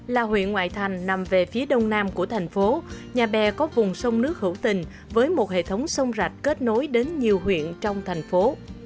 là huyện ngoại thành nằm về phía đông nam của thành phố nhà bè có vùng sông nước hữu tình với một hệ thống sông rạch kết nối đến nhiều huyện trong thành phố